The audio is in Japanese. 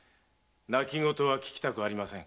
泣き言は聞きたくありません。